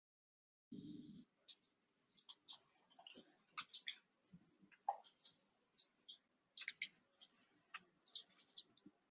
One instrument is on display in the Deutsches Museum in Munich.